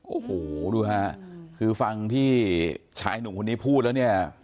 โอ้โหดูฮะคือฟังที่ชายหนุ่มคนนี้พูดแล้วเนี่ย